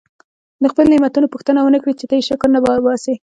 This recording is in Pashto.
د خپلو نعمتونو پوښتنه ونه کړي چې ته یې شکر نه وباسې.